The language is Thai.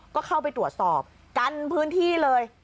ก็เข้าไปตรวจสอบกันพื้นที่เลย